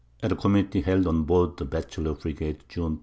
At a Committee, held on board the Batchelor Frigat, _June 30.